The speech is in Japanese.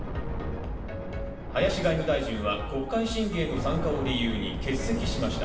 林外務大臣は国会審議への参加を理由に欠席しました。